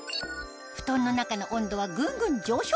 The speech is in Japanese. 布団の中の温度はぐんぐん上昇！